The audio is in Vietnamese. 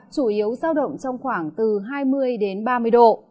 chủ yếu giao động trong khoảng từ hai mươi km